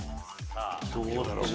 どうだろう？